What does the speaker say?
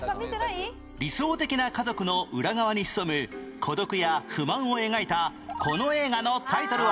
理想的な家族の裏側に潜む孤独や不満を描いたこの映画のタイトルは？